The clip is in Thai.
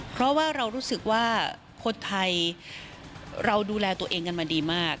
เพราะว่าเรารู้สึกว่าคนไทยเราดูแลตัวเองกันมาดีมาก